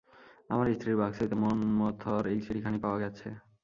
আমার স্ত্রীর বাক্স হইতে মন্মথর এই চিঠিখানি পাওয়া গেছে।